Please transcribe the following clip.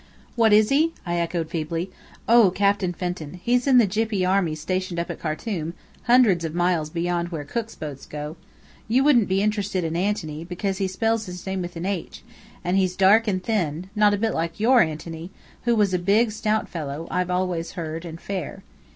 "What is he?" I echoed feebly. "Oh, Captain Fenton. He's in the Gyppy Army stationed up at Khartum, hundreds of miles beyond where Cook's boats go. You wouldn't be interested in Anthony, because he spells his name with an 'H', and he's dark and thin, not a bit like your Antony, who was a big, stout fellow, I've always heard, and fair."